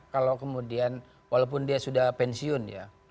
kalau kemudian walaupun dia sudah pensiun ya